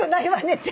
って。